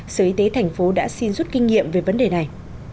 sở y tế tp hcm đã xin rút kinh nghiệm về vấn đề này